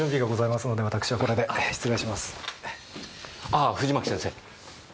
ああ藤巻先生！